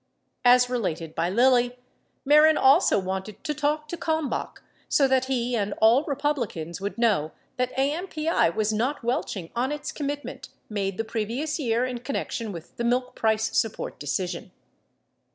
As related by Lilly, Mehren also wanted to talk to Kalmbach so that he and all Republicans would know that AMPI was not welch ing on its commitment made the previous year in connection with the milk price support decision.